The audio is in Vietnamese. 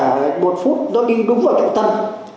một phút nó đi đúng vào trọng tâm